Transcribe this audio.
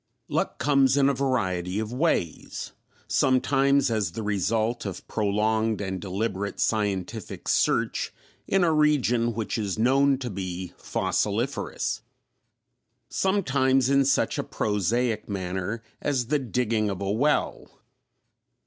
Luck comes in a great variety of ways: sometimes as the result of prolonged and deliberate scientific search in a region which is known to be fossiliferous; sometimes in such a prosaic manner as the digging of a well.